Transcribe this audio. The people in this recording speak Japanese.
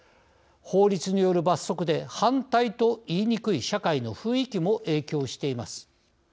法律による罰則で反対と言いにくい社会の雰囲気も影響しています。